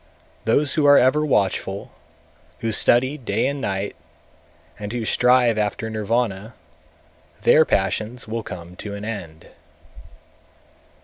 226. Those who are ever watchful, who study day and night, and who strive after Nirvana, their passions will come to an end.